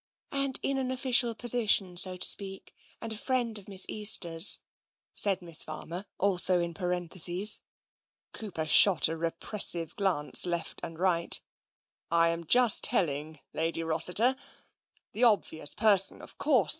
" And in an official position, so to speak — and a friend of Miss Easter's," said Miss Farmer, also in parentheses. Cooper shot a repressive glance left and right. " I am just telling Lady Rossiter. The obvious person, of course.